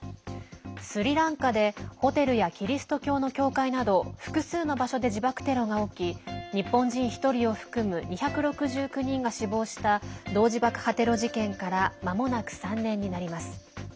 スリランカでホテルやキリスト教の教会など複数の場所で自爆テロが起き日本人１人を含む２６９人が死亡した同時爆破テロ事件からまもなく３年になります。